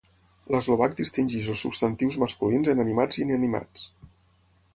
L'eslovac distingeix els substantius masculins en animats i inanimats.